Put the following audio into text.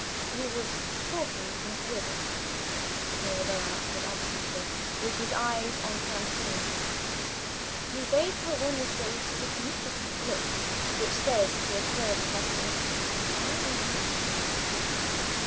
"He was talking with Miss Wyvil." Mirabel answered absently with his eyes on Francine. He gave her one of those significant looks, which says to a third person, "Why are you here?"